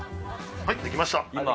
はい、出来ました。